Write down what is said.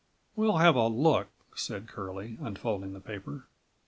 "We'll have a look," said Curlie, unfolding the paper.